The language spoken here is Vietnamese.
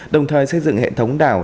đồng thời xây dựng hệ thống đảo